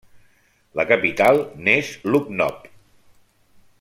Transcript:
La capital n'és Lucknow.